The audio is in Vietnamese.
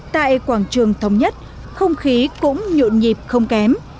tại quảng trường thống nhất không khí cũng nhộn nhịp không kém